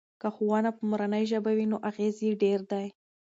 که ښوونه په مورنۍ ژبه وي نو اغیز یې ډیر دی.